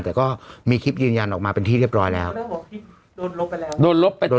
แต่ก็มีคลิปยืนยันออกมาเป็นที่เรียบร้อยแล้วแล้วของคลิปโดนลบไปแล้ว